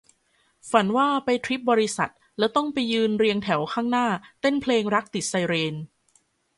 ฝันว่าไปทริปบริษัท แล้วต้องไปยืนเรียงแถวข้างหน้าเต้นเพลงรักติดไซเรน